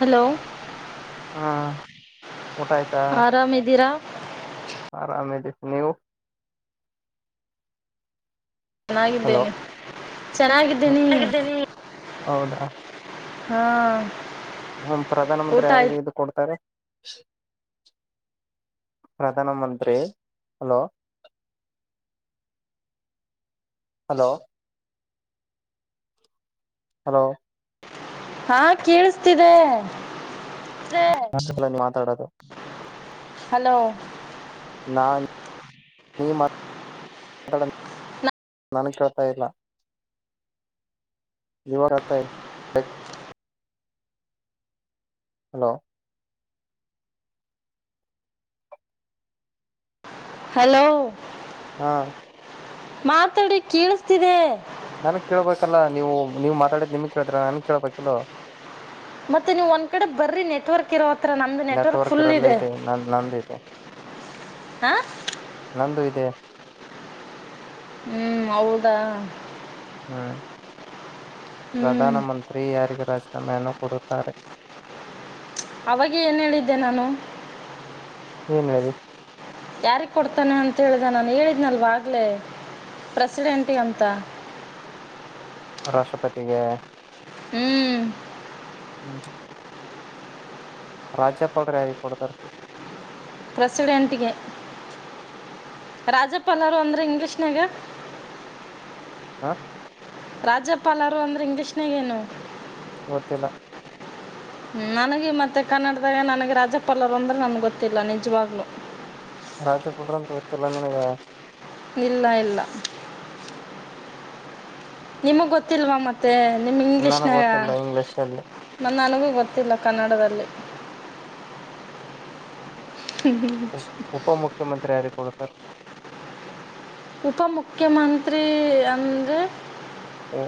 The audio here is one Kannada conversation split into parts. ಹಲೋ ಹಾಂ ಆರಾಮ್ ಇದ್ದೀರಾ? ಆರಾಮದ ನೀವು ಹಲೋ ಚೆನ್ನಾಗಿದ್ದೇನಿ ಹ್ಮ ಚೆನ್ನಾಗಿದ್ದನಿ. ಹೌದಾ ಹ್ಮ. ಹ್ಮ ಪ್ರಧಾನ ಮಂತ್ರಿ ಯಾರಿಗೆ ಇ ಕೊಡ್ತಾರಿ. ಪ್ರಧಾನಮಂತ್ರಿ ಹಲೋ ಹಲೋ ಹಲೋ ಹಾ ಕೇಳಿಸ್ತದೆ. ಮಾತಾಡೋದ. ಹಲೋ ನಾ ನೀ ಮ ದಡ ನನಗ ಕೇಳ್ತಾ ಇಲ್ಲ. ನಿವರತ್ತರಿ ಹಲೋ ಹಲೋ ಹಾ ಮಾತಾಡಿ ಕೇಳಿಸತಿದೆ. ನನ್ಗ ಕೇಳ್ಬೇಕಲ್ಲ ನೀವು ನೀವು ಮಾತಾಡಿದ್ ನಿಮ ಕೇಳಿದ್ರ ನನ್ಗ್ ಕೇಳ್ಬೇಕಿಲೋ. ಮತ್ತೆ ನೀವ ಒಂದ್ ಕಡೆ ಬರೀ ನೆಟ್ವರ್ಕ್ ಇರೋ ಹತ್ರ ನಮ್ದು ನೆಟ್ವರ್ಕ್ ಫುಲ್ ಇರಲ್ಲ ಇದೆ. ನ ನಂದು ಇದೆ ಹಾ ನಂದು ಇದೆ. ಹ್ಮ ಹೌದಾ ಹ್ಮ ಹ್ಮ್ ಪ್ರಧಾನ ಮಂತ್ರಿ ಯಾರಿಗೆ ರಾಜ ನಾಮೆಯನ್ನು ಕೊಡುತ್ತಾರೆ. ಅವಾಗೆ ಏನ್ ಹೇಳಿದ್ದೆ ನಾನು ಏನ್ ಹೇಳಿ. ಯಾರಿಗ ಕೊಡ್ತಾನೆ ಅಂತ ಹೇಳಿದೆ ನಾನು ಹೇಳಿದ್ನಲ್ವಾಗ್ಲೇ ಪ್ರೆಸಿಡೆಂಟ್ ಅಂತ ರಾಷ್ಟ್ರಪತಿಗೆ ಹ್ಮ. [inaudible] ರಾಜ್ಯಪಾಲರ ಯಾರಿಗ ಕೊಡ್ತಾರ. ಪ್ರೆಸಿಡೆಂಟ ಗೆ ರಾಜಪಾಲರು ಅಂದ್ರ ಇಂಗ್ಲಿಷ್ನಾಗ ಹಾ ರಾಜ್ಯಪಾಲರು ಅಂದ್ರ ಇಂಗ್ಲೀಷ್ನಾಗ ಏನು. ಒತ್ತಿಲ್ಲ. ಹ ನನಗೆ ಮತ್ತ ಕನ್ನಡದಾಗ ನನಗೆ ರಾಜಪಾಲರು ಅಂದ್ರೆ ನಮಗೆ ಗೊತ್ತಿಲ್ಲ ನಿಜವಾಗ್ಲು ರಾಜ್ಯಪಾಲರ ಅಂತ ಗೊತ್ತಿಲ್ಲ ನನಗ ಇಲ್ಲ ಇಲ್ಲ. ನಿಮಗ ಗೊತ್ತಿಲ್ವಾ ಮತ್ತೆ ನಿಮ್ ನನಗ್ ಇಂಗ್ಲಿಷ್ನಾಗ ಗೊತ್ತಿಲ್ಲ ಇಂಗ್ಲಿಷ್ ಅಲ್ಲಿ ಮ ನನಗೂ ಗೊತ್ತಿಲ್ಲ ಕನ್ನಡದಲ್ಲಿ ಉಪ ಮುುಖ್ಯಮಂತ್ರಿ ಯಾರಿಗೆ ಕೊಡತರ್ ಉಪ ಮುಖ್ಯಮಂತ್ರಿ ಅಂದ್ರೆ ಹ್ಮ.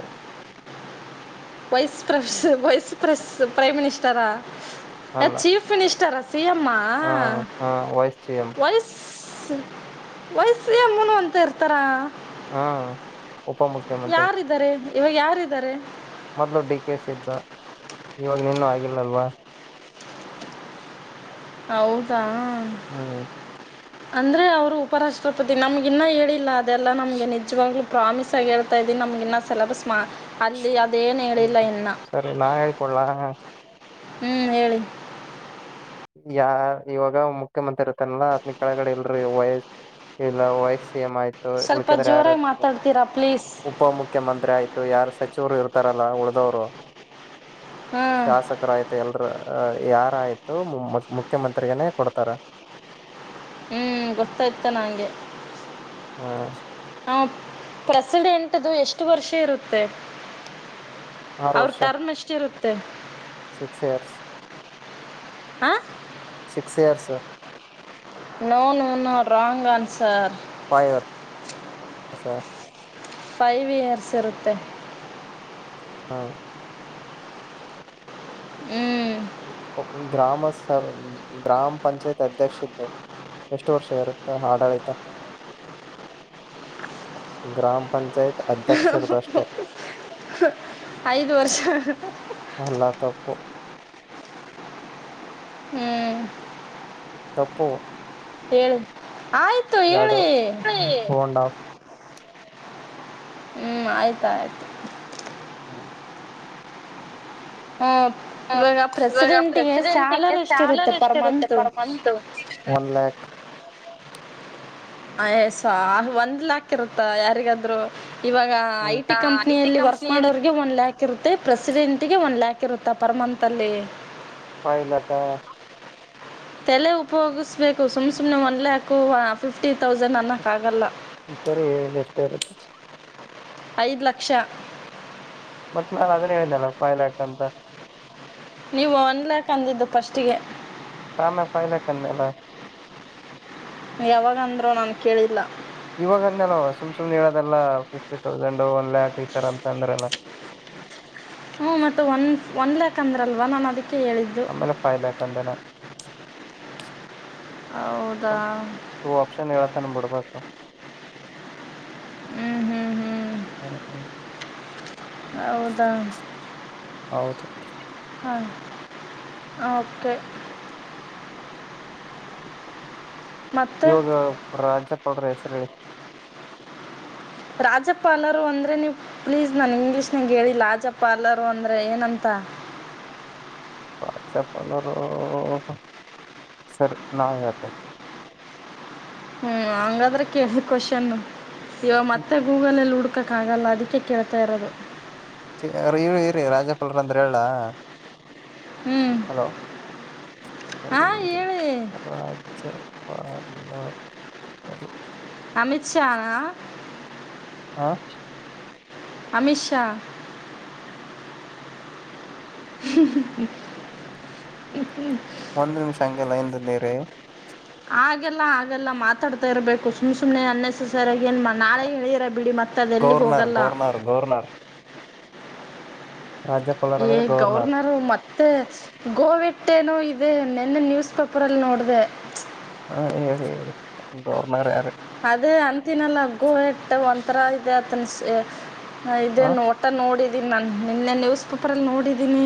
ವೈಸ್ ಪ್ರಸ್ ವೈಸ್ ಪ್ರೆ ಪ್ರೈಮ್ ಮಿನಿಸ್ಟರ ಅಲ್ಲ ಚೀಫ್ ಮಿನಿಸ್ಟರ್ ಸಿಎಮ್ಮ ಹ ಹ vice C M vice vice ಸಿಯಮ್ಮನು ಅಂತ ಇರ್ತಾರಾ. ಹಾ ಉಪ ಮುುಖ್ಯಮಂತ್ರಿ. ಯಾರಿದ್ದಾರೆ ಇವಾಗ ಯಾರಿದ್ದಾರೆ. ಮೊದ್ಲು ಡಿ ಕೆ ಸಿ ಇದ್ದ ಇವಾಗ ನಿನ್ನೂ ಆಗಿಲ್ಲಲ್ವಾ. ಹೌದಾ ಹ್ಮ್ ಅಂದ್ರೆ ಅವರು ಉಪರಾಷ್ಟ್ರಪತಿ ನಮ್ಗೆ ಇನ್ನೂ ಹೇಳಿಲ್ಲ ಅದೆಲ್ಲ ನಮಗೆ ನಿಜವಾಗ್ಲುೂ ಪ್ರಾಮಿಸ್ ಆಗಿ ಹೇಳ್ತಾ ಇದನಿ ನಮ್ಗೆ ಇನ್ನ ಸೆಲೆಬಸ್ ಮಾ ಅಲ್ಲಿದು ಹ್ಮ್ ಸರಿ ನಾ ಹೇಳ್ಕೊಲ್ಲಾ ಹ್ಮ್ ಹೇಳಿ ಯ ಇವಾಗ ಮುಖ್ಯಮಂತ್ರಿ ಇರ್ತಾನಲ್ಲ ಆತ್ನ ಕೆಳಗಡೆ ಇಲ್ರರಿ ವಯ್ಸ್ ಇಲ್ಲ ವಾಯ್ಸ್ ಸಿಯಮ ಆಯ್ತು ಸ್ವಲ್ಪ ಉಳ್ಕ್ಯದ್ರ ಯಾರು ಜೋರಾಗಿ ಇರ್ತ ಮಾತಾಡ್ತೀರಾ ಪ್ಲೀಸ್ ಉಪ ಮುುಖ್ಯಮಂತ್ರಿ ಆಯ್ತು ಯಾರ ಸಚಿವರು ಇರ್ತಾರಲ್ಲ ಉಳ್ದವರು ಹಾಂ ಶಾಸಕರ ಆಯ್ತ ಎಲ್ರ ಯಾರಾಯ್ತು ಮುಖ್ಯಮಂತ್ರಿಗನೆೇ ಕೊಡ್ತಾರ ಹ್ಮ್ ಗೊತ್ತಾಯ್ತ ನಂಗೆ ಹ್ಮ್ ಹ ಪ್ರೆಸಿಡೆಂಟದ್ದು ಎಷ್ಟು ವರ್ಷ ಇರುತ್ತೆ ಆರು ಅವ್ರ ವರ್ಷ ಟರ್ಮ್ ಅಷ್ಟಿರುತ್ತೆ ಸಿಕ್ಸ್ ಇಯರ್ಸ್ ಹ ಸಿಕ್ಸ್ ಇಯರ್ಸ್ ನೋ ನೋ ನ wrong answer five year five years ಇರುತ್ತೆ ಹಾ ಹ್ಞೂ ಸ ಗ್ರಾಮ ಪಂಚಾಯತ್ ಅಧ್ಯಕ್ಷ ಇದ್ದು ಎಷ್ಟು ವರ್ಷ ಇರುತ್ತೆ ಆಡಳಿತ ಗ್ರಾಮ ಪಂಚಾಯತ್ ಅಧ್ಯಕ್ಷರದು ಅಷ್ಟೇ ಐದು ವರ್ಷ ಅಲ್ಲಾ ತಪ್ಪು ಹ್ಮ್ ತಪ್ಪು ಹೇಳಿ ಆಯ್ತು ಎರಡು ಹೇಳಿ ಒನ್ ಆಫ್ ಹ್ಮ್ ಆಯ್ತ ಆಯ್ತು ಹೌ ಹ ಹ ಇವಾಗ ಇವಾಗ ಪ್ರೆಸಿಡೆಂಟಿಗೆ ಪ್ರೆಸಿಡೆಂಟಗೆ ಸ್ಯಾಲರಿ ಎಷ್ಟಿರುತ್ತೆ ಸ್ಯಾಲರಿ ಎಷ್ಟ ಪರ್ ಇರುತ್ತೆ month per month one lakh ಆಯಸ ಆ ಒಂದ್ ಲಾಕ್ ಇರುತ್ತ ಯಾರಿಗಾದ್ರು ಇವಾಗ ಐ ಟಿ ಐ ಟಿ ಕಂಪ್ನಿಯಲ್ಲಿ ವರ್ಕ್ ಕಂಪ್ನಿಯಲ್ಲಿ ಮಾಡೋಗೆ ಒನ್ ಲ್ಯಾಕ್ ಇರುತ್ತೆ ಪ್ರೆಸ್ ಎರಿಂಟಿಗೆ ಒಂದು ಲ್ಯಾಕ್ ಇರುತ್ತಾ ಪರ್ ಮಂತಲ್ಲಿ ಫೈವ್ ಲ್ಯಾಕ್ ತಲೆ ಉಪಯೋಗಿಸ್ಬೇಕು ಸುಮ್ ಸುಮ್ನೆ ಒನ್ ಲ್ಯಾಕು ಫಿಫ್ಟಿ ತೌಸಂಡ್ ಅನ್ನೋಕ್ ಆಗಲ್ಲ ಸರಿ ಎಷ್ಟೇ ಇರುತ್ತ ಐದು ಲಕ್ಷ ಮತ್ತ ನಾನ್ ಅದನ್ನ ಹೇಳಿದ್ನಲ ಫೈವ ಲ್ಯಾಕ್ಸ ಅಂತ ನೀವು ಒನ್ ಲ್ಯಾಕ್ ಅಂದಿದ್ದು ಫಸ್ಟ್ಗೆ ತಾನ ಪಾಯಲ್ಲ ಕನ್ನಲ್ಲ ಯಾವಾಗಂದ್ರರು ನಾನನ್ ಕೇಳಿಲ್ಲ ಇವಾಗ ಅಂದಲ್ವ ಸುಮ್ ಸುಮ್ ಹೇಳೋದೆಲ್ಲಾ ಫಿಫ್ಟಿ ತೌಸಂಡ್ ಒನ್ ಲ್ಯಾಕ್ ಈತರ ಅಂತ ಅಂದ್ರಲ್ಲ [inaudible] ಹ್ಮ್ ಮತ್ತೆ ಒಂದ ಒನ್ ಲ್ಯಾಕ್ ಅಂದ್ರಲ್ವಾ ನಾನನ್ ಅದಿ ಅಮ್ಮನ ಪಾಯಲ ಕಂದನ ಹೌದಾ ಆಪ್ಷನ್ ಹೇಳತ ನಮ ಬಿಡ್ಬೇಕು ಹ್ಮ್ ಹ್ಮ್ ಹ್ಮ್ ಹ್ಮ ಹ್ಮ್ ಹೌದ ಹೌದು ಹಾ ಹ್ಹಾ ಓಕೆ. ಮತ್ತು ಇವಾಗ ರಾಜ್ಯಪಾಲ್ರ ಹೆಸರು ಹೇಳಿ. ರಾಜ್ಯಪಾಲರು ಅಂದ್ರೆ ನೀವು ಪ್ಲೀಸ್ ನನ್ ಇಂಗ್ಲೀಷ್ನಾಗ ಹೇಳಿ ರಾಜ್ಯಪಾಲರು ಅಂದ್ರೆ ಏನಂತ. ರಾಜ್ಯಪಾಲರು. ಸರಿ ನಾಳೆ ಹೇಳ್ತೀನಿ. ಹ್ಮ್ ಹಂಗಾದ್ರೆ ಕೇಳಿ ಕ್ವೆಶ್ಚನ್ ಇವಾಗ ಮತ್ತೆ ಗೂಗಲ್ ನಲ್ಲಿ ಹುಡ್ ಕ್ಕಾಗಲ್ಲ ಅದಕ್ಕೆ ಕೇಳ್ತಾ ಇರೋದು. ಇವ ಇರಿ ಇರಿ ರಾಜ್ಯಪಾಲರು ಅಂದ್ರೆ ಹೇಳ. ಹ್ಮ್ ತಡಿ ಇರಿ ರಾ ಜ್ಯಾ ಪಾ ಲ ರು ಹ್ಹ ಅಮಿತ್ ಶಾ ನ. ಹಾ ಅಮಿತ ಶಾ. [inaudible] ಒಂದ್ ನಿಮಿಷ ಹಂಗೆ ಲೈನ್ದಲ್ಲಿ ಇರಿ. ಹಾಗೆಲ್ಲ ಆಗಲ್ಲ ಮಾತಾಡ್ತಾ ಇರ್ಬೇಕು ಸುಮ್ ಸುಮ್ನೆ ಅನ್ನೆಸಸರಿ ಏನ್ ನಾಳೆ ಹೇಳಿರಿ ಬಿಡಿ ಮತ್ತ. ಮತ್ತದು ಎಲ್ಲಿಗೂ ಗೌರ್ನರ್ ಹೋಗಲ್ಲ. ಗೌರ್ನರ್ ಗೌರ್ನರ್ ರಾಜ್ಯಪಾಲರ್ ಏ ಅಂದ್ರೆ ಗೌರ್ನರ್ ಗವರ್ನರ್ ಮತ್ತೆ ಗೋವಿ ಮತ್ತೇನೋ ಇದೆ ನಿನ್ನೆ ನ್ಯೂಸ್ ಪೇಪರಲ್ಲಿ ನೋಡ್ದೆ. ಹಾ ಹೇಳಿ ಗವರ್ನರ್ ಯಾರು. ಅದೇ ಅಂತಿನಲ್ಲ ಗೋ ಇಟ್ಟ ಒಂಥರಾ ಇದೆ ಅತನ್ಸ ಹ್ಹ್ ಇದೇ ಹ ನೋಡ್ತಾ ನೋಡಿ. ಇದ ನಾನು ನಿನ್ನೆ ನ್ಯೂಸ್ ಪೇಪರ್ ಅಲ್ಲಿ ನೋಡಿದ್ದೀನಿ.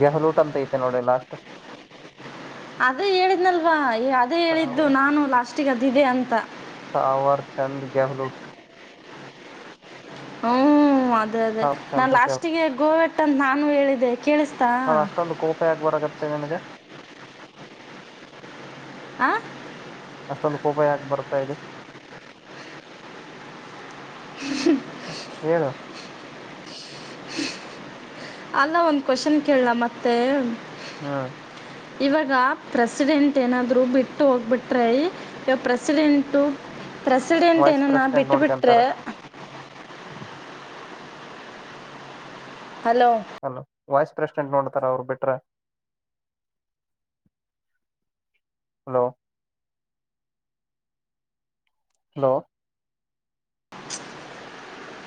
ಗೆಹಲೂಟ್ ಅಂತ ಐತೆ ನೋಡು ಲಾಸ್ಟ್ ಅದೇ ಹೇಳಿದ್ನಲ್ವಾ ಅದೇ ಹೇಳಿದ್ದು ನಾನು ಲಾಸ್ಟಿಗೆ ಅದಿದೆ ಅಂತ. ತಾವರ ಚಂದ ಗೆಹಲೂಕ. ಹ್ಮ್ ಅದೇ ಅದೇ ತಾವರ್ ನಾ ಚಂದ್ ಅದ್ ಲಾಸ್ಟಿಗೆ ಗೋವೆಟ್ಟ ಅಂತ ನಾನು ಹೇಳ್ದೆ. ಅಲ ಅಷ್ಟೊಂದು ಕೋಪ ಯಾಕ್ ಬರಗತ್ತೆ ನಿನಗೆ. ಆ ಅಷ್ಟೊಂದು ಕೋಪ ಯಾಕ ಬರ್ತಾ ಇದೆ. ಹ್ಮ ಏನು. ಅಲ್ಲ ಒಂದ್ ಕ್ವಶನ್ ಕೇಳಲ ಮತ್ತೆ. ಹ್ಮ್ ಇವಾಗ ಪ್ರೆಸಿಡೆಂಟ್ ಏನಾದ್ರು ಬಿಟ್ಟು ಹೋಗ್ಬಿಟ್ರೆ ಇವ ಪ್ರೆಸಿಡೆಂಟ್. ಪ್ರೆಸಿಡೆಂಟ್ ವೈಸ್ ಏನನ ಪ್ರೆಸಿಡೆಂಟ್ ಬಿಟ್ಟಬಿಟ್ರೆ. ನೋಡ್ಕೊಂತಾರ ಹಲೋ ಅಲೋ ವೈಸ್ ಪ್ರೆಸಿಡೆಂಟ್ ನೋಡ್ತಾರ ಅವರು ಬಿಟ್ರಾ. ಹಲೋ ಹಲೋ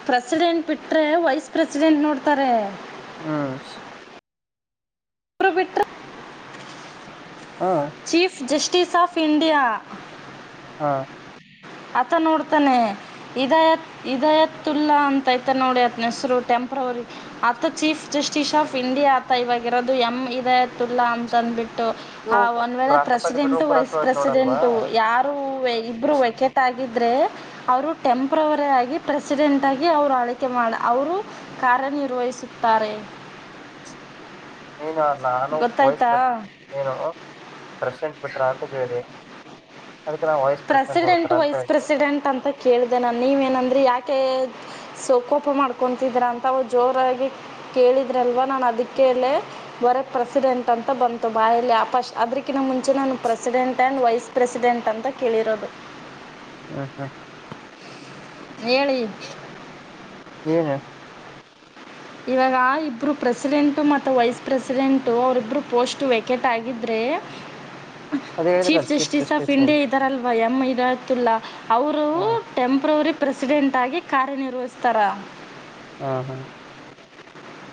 ಪ್ರೆಸಿಡೆಂಟ್ ಬಿಟ್ರೆ ವೈಸ್ ಪ್ರೆಸಿಡೆಂಟ್ ನೋಡ್ತಾರೆ. ಹ್ಮ ಇಬ್ರು ಬಿಟ್ರೆ. ಹ ಚೀಫ್ ಜಸ್ಟಿಸ್ ಆಫ್ ಇಂಡಿಯಾ. ಹಾ ಆತ ನೋಡ್ತಾನೆ. ಇದತ್ ಇದಯತೂಲ್ಲಾ ಅಂತ ಐತಿ ನೋಡಿ ಅತ್ನ ಹೆಸರು ಟೆಂಪ್ರರಿ ಅತ ಚೀಫ್ ಜಸ್ಟಿಸ್ ಆಫ್ ಇಂಡಿಯಾ ಅತ ಇವಾಗ ಇರೋದು ಎಮ್ ಇ ಇತ್ತುಲ್ಲಾ ಅಂತ ಅಂದ್ಬಿಟ್ಟು. ಇವು ಆ ಒಂದ್ ವೇಳೆ ರಾಷ್ಟ್ರಪತಿ ಬಿಟ್ರೆ ಪ್ರೆಸಿಡೆಂಟು ವೈಸ್ ಉಪರಾಷ್ಟ್ರಪತಿ ನೋಡಲ್ವಾ ಪ್ರೆಸಿಡೆಂಟು ಯಾರು ಇಬ್ರು ವೇಕೆ ಆಗಿದ್ದರೆ ಅವರು ಟೆಂಪ್ರವರಿ ಆಗಿ ಪ್ರೆಸಿಡೆಂಟ್ ಆಗಿ ಅವರು ಆಳಿವಿಕೆ ಮಾಡ ಅವರು ಕಾ ಕಾರ್ಯನಿರ್ವಹಿಸುತ್ತಾರೆ. ಏನು ನಾನುಯ ವಾಯ್ಸ್ ಗೊತ್ತಾಯ್ತಾ ಪ್ರೆಸಿಡೆಂಟ್ ನೀಏನು ಪ್ರಶಟ್ ಪಟ್ರಾಂತ [unintelligible] ಪ್ರೆಸಿಡೆಂಟ್ ವೈಸ್ ಪ್ರೆಸಿಡೆಂಟ್ ಅಂತ ಕೇಳಿದೆ ನಾನ್ ನೀವ ಏನಂದ್ರೆ ಯಾಕೆ ಸೋಕೋಪ ಮಾಡ್ಕೊತಿದ್ರ ಅಂತ ಅವ ಜೋರಾಗಿ ಕೇಳಿದ್ರಲ್ವಾ ನಾನು ಅದಕ್ಕೆ ಎಲ್ಲ ಹೊರಗ ಪ್ರೆಸಿಡೆಂಟ್ ಅಂತ ಬಂತು ಬಾಯಲ್ಲಿಪ ಅದಕಿಂತ ಮುಂಚೆ ನಾನು ಪ್ರೆಸಿಡೆಂಟ್ ಅಂಡ್ ವೈಸ್ ಪ್ರೆಸಿಡೆಂಟ್ ಅಂತ ಕೇಳಿರೋದು. ಹ್ಮ ಹಾ ಹೇಳಿ ನಿನ್ [unintelligible] ಇವಾಗ ಆ ಇಬ್ರು ಪ್ರೆಸಿಡೆಂಟ್ ಮತ್ ವೈಸ್ ಪ್ರೆಸಿಡೆಂಟ್ ಅವರಿಬ್ರು ಪೋಸ್ಟ್ ವೆೇಕೆಟ್ ಆಗಿದ್ರೆ. ಸೇ ಅದೇ ಚೀಫ್ ಜಸ್ಟಿಸ್ ಆಫ್ ಇಂಡಿಯಾ ಇದ್ದಾರಲ್ವಾ ಎಮ್ ಇರತುಲ್ಲಾ ಅವರು ಹಾ ಟೆಂಪ್ರವರಿ ಪ್ರೆಸಿಡೆಂಟಾಗಿ ಕಾರ್ಯನಿರ್ವಹಿಸ್ತಾರಾ. ಹ್ಮ ಹ್ಮ್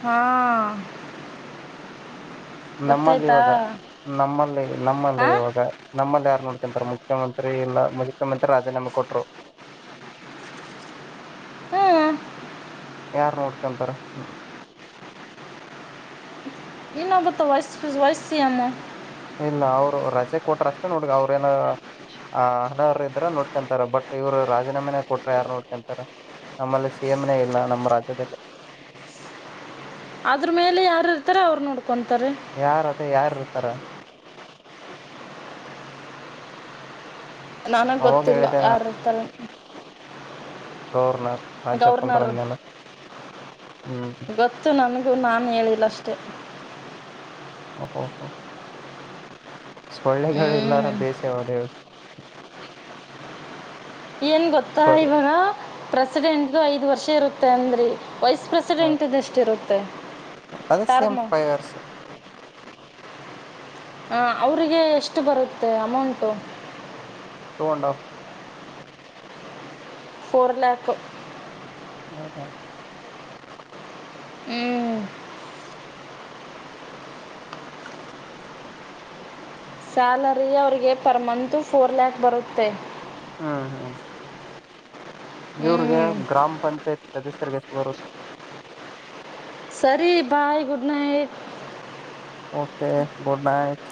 ಹಾ ನಮ್ಮಲ್ಲಿ ಇವಾಗ ನಮ್ಮಲ್ಲಿ ನಮ್ಮಲ್ಲೇ ಹಾಂ ಇವಾಗ ನಮ್ಮಲ್ಲಿ ಯ ನೋಡ್ಕಂತಾರ ಮುಖ್ಯಮಂತ್ರಿ ಇಲ್ಲ ಮುಖ್ಯಮಂತ್ರಿ ರಾಜೀನಾಮೆ ಕೊಟ್ರು. [unintelligible] ಹ್ಮ್ ಯಾರ್ ನೋಡ್ಕಂತಾರ ಹ್ಮ ಇನ್ನೊಬತ್ತ ವಯಸ್ಸ ವಯಸ್ಸ ಎಮ್ ಇಲ್ಲ ಅವ್ರು ರಜೆ ಕೊಟ್ರ ಅಷ್ಟೇ ನೋಡ್ ಅವ್ರೇಏನ ಆ ಅನರ ಇದ್ರ ನೋಡ್ಕೊಂತಾರ ಬಟ್ ಇವ್ರು ರಾಜೀನಾಮೆನೇ ಕೊಟ್ರ ಯಾರ್ ನೋಡ್ಕಂತಾರ ನಮ್ಮಲ್ಲಿ ಸಿಎಂನೆೇ ಇಲ್ಲ ನಮ್ಮ ರಾಜ್ಯದಲ್ಲಿ [unintelligible] ಅದ್ರ ಮೇಲೆ ಯಾರು ಇರ್ತಾರ ಅವ್ರ ನೋಡ್ ಯಾರದ ಯಾರ್ ಇರ್ತಾರ ನಾನಗ ಅವಾಗ ಗೊತ್ತಿಲ್ಲ ಹೇಳಿದೆ ಯಾರು ಇರ್ತಾರ ಗೌರ್ನರ್ ರಾಜ್ಯಪಾಲ್ರನ್ನಾನ ಹ್ಮ್ ಇದು ನಾನು ಹೇಳಿಲ್ಲ ಅಷ್ಟೇ. ಹ ಹ ಸೊಳ್ಳೆಗಳ ಹ್ಞೂ ಇಲ್ಲಾರದ ದೇಶ ಯಾವ್ದ್ ಹೇಳು ಏನ್ ಗೊತ್ತಾ ಸೊಳ್ಳೆ ಇವಾಗ ಪ್ರೆಸಿಡೆಂಟದ ಐದು ವರ್ಷ ಇರುತ್ತೆ ಅಂದ್ರರಿ. ವೈಸ್ ಹ ಪ್ರೆಸಿಡೆಂಟ್ ದ ಎಷ್ಟ ಇರುತ್ತೆ ಅದೇ ಸೇಮ್ ಫೈವ್ ಇರ್ಸ್ ಹ ಅವ್ರರಿಗೆ ಎಷ್ಟು ಬರುತ್ತೆ amount two and of four lakh ಹೌದಾ [inaudible] ಹ್ಮ್ ಸ್ಯಾಲರಿ ಅವರಿಗೆ ಪರ ಮಂತು ಫೋರ್ ಲ್ಯಾಕ್ ಬರುತ್ತೆ. ಹ್ಮ ಹಾ ಇವರಿಗೆ ಹ್ಞೂ ಗ್ರಾಮ ಪಂಚಾಯತ ಸದಸ್ಯರಿಗೆಷ್ಟ ಬರುತ್ತೆ ಸರಿ bye good night okay good night